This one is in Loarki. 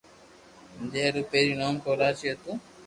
جي رو پيلي نوم ڪولاچي ھتو